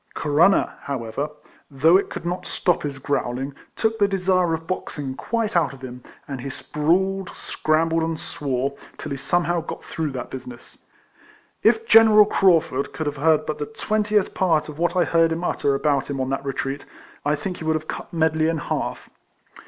Corunna, however, though it could not stop his growl ing, took the desire of boxing quite out of him ; and he sprawled, scrambled, and swore, 112 RECOLLECTIONS OF till he somehow got through that business. If General Craufurd could have heard but the t^ventieth part of what I heard him utter about him on that retreat, I think he would have cut Medley in half.